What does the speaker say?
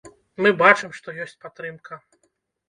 Мы бачым, што ёсць падтрымка.